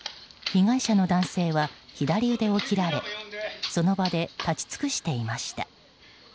被害者の男性は左腕を切られその場で立ち尽くしていました。